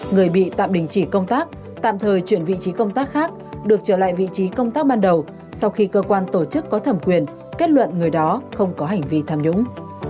người bị tạm đình chỉ công tác tạm thời chuyển vị trí công tác khác được trở lại vị trí công tác ban đầu sau khi cơ quan tổ chức có thẩm quyền kết luận người đó không có hành vi tham nhũng